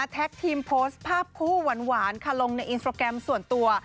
แท็กทีมโพสต์ภาพคู่หวานลงในอินโฟร์แกรมส่วนตัว